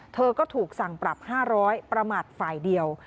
เธอก็ถูกสั่งปรับ๕๐๐ประมาทฝ่ายเดียว